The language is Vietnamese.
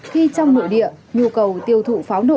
khi trong nội địa nhu cầu tiêu thụ pháo nổ